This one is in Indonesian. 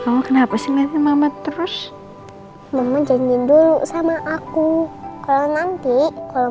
kamu kenapa sih ngeliatnya mama terus mama janji dulu sama aku kalau nanti kalau